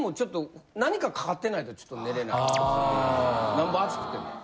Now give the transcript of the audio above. なんぼ暑くても。